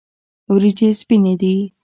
وریجې سپینې دي.